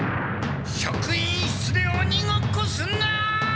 職員室でおにごっこするな！